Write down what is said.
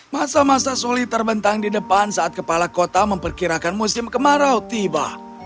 masa masa sulit terbentang di depan saat kepala kota memperkirakan musim kemarau tiba